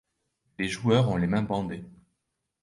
Les joueurs ont les mains bandées.